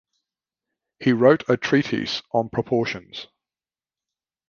He wrote a treatise on proportions.